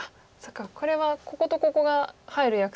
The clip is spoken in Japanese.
これはこことここが入る約束だとして。